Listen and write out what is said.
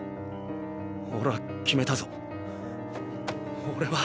オレは決めたぞ。